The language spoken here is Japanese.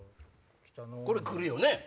これ来るよね。